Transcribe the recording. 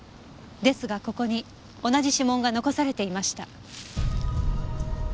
ですがここに同じ指紋が残されていました。